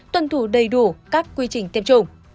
tuân thủ đầy đủ các quy trình tiêm chủng